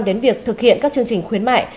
đến việc thực hiện các chương trình khuyến mại